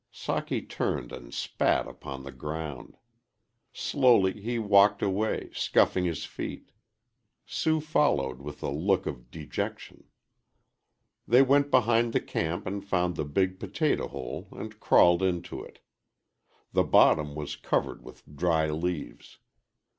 Socky turned and spat upon the ground. Slowly he walked away, scuffing his feet. Sue followed with a look of dejection. They went behind the camp and found the big potato hole and crawled into it. The bottom was covered with dry leaves.